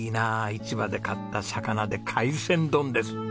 市場で買った魚で海鮮丼です。